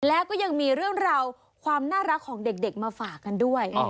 แล้วก็ยังมีเรื่องราวความน่ารักของเด็กมาฝากกันด้วย